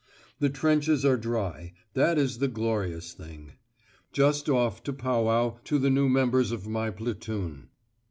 The trenches are dry, that is the glorious thing. DRY. Just off to pow wow to the new members of my platoon."